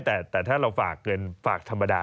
แต่ถ้าเราฝากเงินฝากธรรมดา